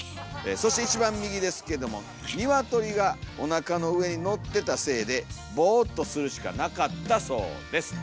そして一番右ですけども鶏がおなかの上にのってたせいでボーっとするしかなかったそうです。